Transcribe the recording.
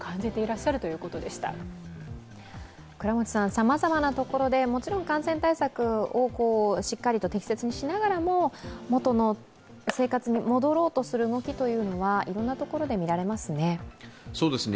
さまざまなところで、もちろん感染対策をしっかりと適切にしながらも元の生活に戻ろうとする動きというのはいろんなところで見られますね。